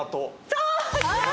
そう！